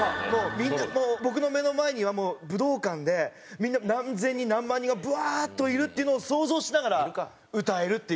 僕の目の前にはもう武道館でみんな何千人何万人がブワーッといるっていうのを想像しながら歌えるっていう。